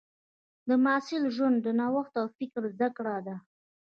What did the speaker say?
د محصل ژوند د نوښت او فکر زده کړه ده.